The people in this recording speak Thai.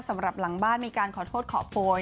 สำหรับหลังบ้านมีการขอโทษขอโพย